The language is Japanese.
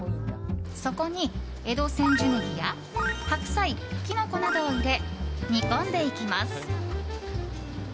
そこに江戸千住葱や白菜、キノコなどを入れ煮込んでいきます。